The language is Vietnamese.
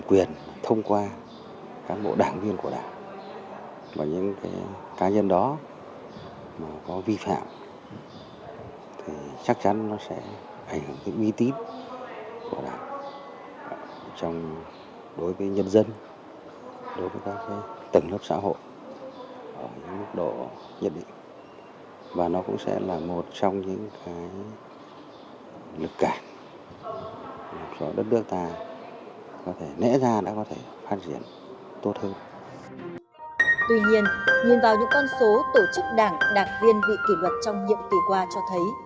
tuy nhiên nhìn vào những con số tổ chức đảng đảng viên bị kỷ luật trong nhiệm kỳ qua cho thấy